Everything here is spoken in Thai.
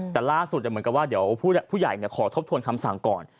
แต่ล่าสุดเหมือนกับว่าเดี๋ยวผู้ใหญ่ขอทบทวนคำสั่งก่อน